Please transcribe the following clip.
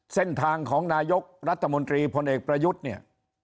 เส้นทางของนายกรัฐมนตรีพลเอกประยุทธ์เนี่ย